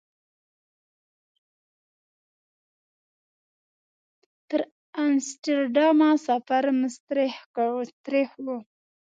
تر امسټرډامه سفر مستریح و.